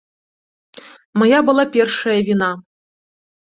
Мая была першая віна.